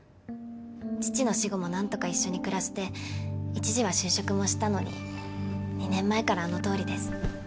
父の死後もなんとか一緒に暮らして一時は就職もしたのに２年前からあのとおりです。